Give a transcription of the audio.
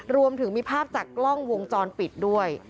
รวมถึงมีภาพจากกล้องวงจรปิดด้วย